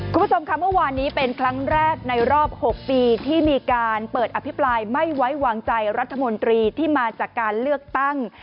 คุณผู้ชมค่ะเมื่อวานนี้เป็นครั้งแรกในรอบ๖ปีที่มีการเปิดอภิปรายไม่ไว้วางใจรัฐมนตรีที่มาจากการเลือกตั้ง